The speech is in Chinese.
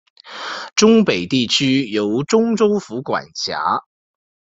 忠北地区由忠州府管辖。